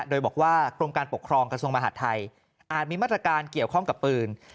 โดยบอกว่ากรมการปกครองกระทรวงมหาดไทยอาจมีมาตรการเกี่ยวข้องกับปืน